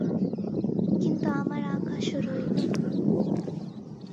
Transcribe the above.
কিন্তু আমার আকাশও রইল।